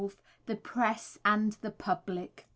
The Press and the Public.